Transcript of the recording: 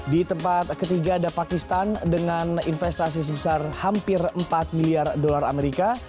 di tempat ketiga ada pakistan dengan investasi sebesar hampir empat miliar dolar amerika